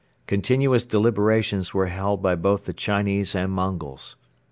Continuous deliberations were held by both the Chinese and Mongols.